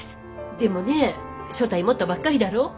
でもねえ所帯持ったばっかりだろう？